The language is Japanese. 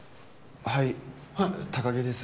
はい高城です